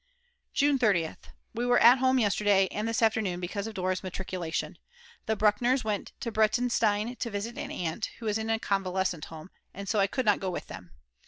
June 30th. We were at home yesterday and this afternoon because of Dora's matriculation. The Bruckners went to Breitenstein to visit an aunt, who is in a convalescent home, and so I could not go with them.